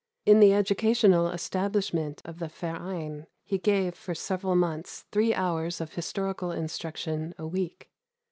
In the educational establishment of the Verein, he gave for several months three hours of historical instruction a week.